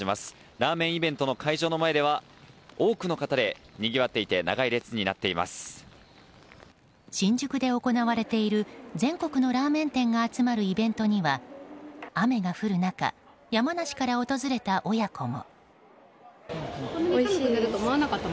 ラーメンイベントの会場の前では多くの方でにぎわっていて新宿で行われている全国のラーメン店が集まるイベントには、雨が降る中山梨から訪れた親子も。